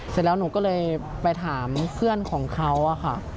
เสร็จแล้วหนูก็เลยไปถามเพื่อนของเขาค่ะ